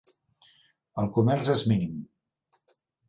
El comerç és mínim.